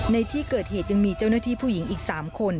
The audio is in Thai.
ในที่เกิดเหตุยังมีเจ้าหน้าที่ผู้หญิงอีก๓คน